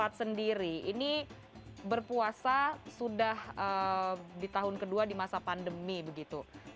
masyarakat sendiri ini berpuasa sudah di tahun kedua di masa pandemi begitu